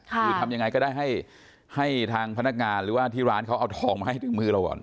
คือทำยังไงก็ได้ให้ทางพนักงานหรือว่าที่ร้านเขาเอาทองมาให้ถึงมือเราก่อน